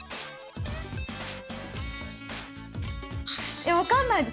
え分かんないです。